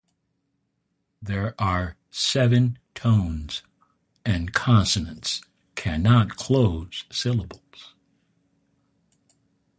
There are seven tones, and consonants cannot close syllables.